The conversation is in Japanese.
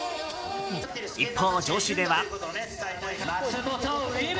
一方、女子では。